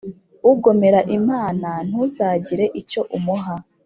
ugomera Imana ntuzagire icyo umuha